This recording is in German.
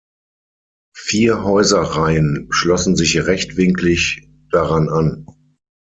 Vier Häuserreihen schlossen sich rechtwinklig daran an.